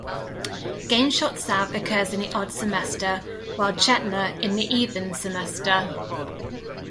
Ganeshotsav occurs in the odd semester while Chetna in the even semester.